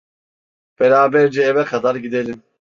Beraberce eve kadar gidelim.